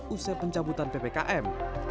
usai pencabutan ppkm